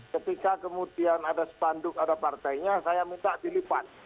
ketika kemudian ada spanduk ada partainya saya minta dilipat